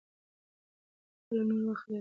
خلک نور وخت لري.